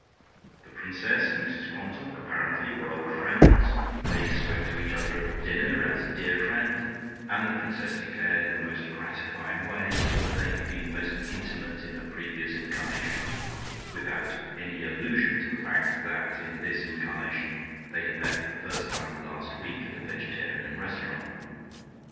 The Princess and Mrs Quantock, apparently, were old friends; they spoke to each other at dinner as "dear friend," and the Princess declared in the most gratifying way that they had been most intimate in a previous incarnation, without any allusion to the fact that in this incarnation they had met for the first time last week at a vegetarian restaurant.